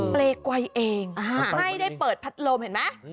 เปรย์ไกลเองไม่ได้เปิดพัดลมเห็นไหม